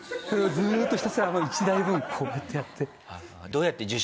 それをずーっとひたすら１台分こうやってやって。